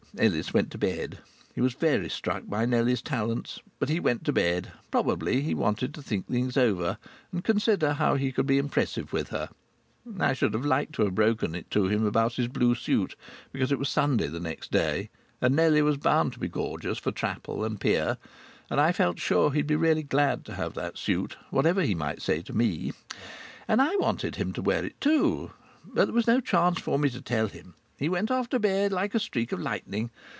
Ellis went to bed. He was very struck by Nellie's talents. But he went to bed. Probably he wanted to think things over, and consider how he could be impressive with her. I should like to have broken it to him about his blue suit, because it was Sunday the next day, and Nellie was bound to be gorgeous for chapel and the pier, and I felt sure he'd be really glad to have that suit whatever he might say to me. And I wanted him to wear it too. But there was no chance for me to tell him. He went off to bed like a streak of lightning.